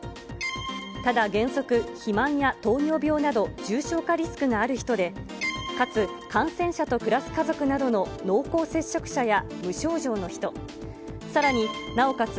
ただ、原則、肥満や糖尿病など、重症化リスクがある人で、かつ感染者と暮らす家族などの濃厚接触者や無症状の人、さらになおかつ